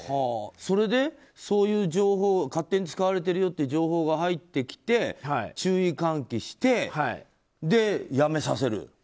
それで、そういう情報を勝手に使われているという情報が入ってきて注意喚起してやめさせる？